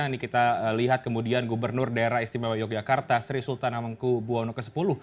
ini kita lihat kemudian gubernur daerah istimewa yogyakarta sri sultan hamengku buwono x